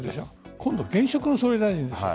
今度、現職の総理大臣ですよ。